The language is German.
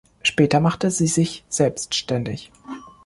Später machte sie sich selbstständig.